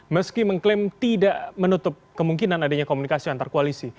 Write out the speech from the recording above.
meski mengklaim tidak menutup kemungkinan adanya komunikasi antar koalisi